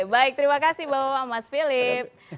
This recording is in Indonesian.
baik terima kasih bapak mas philip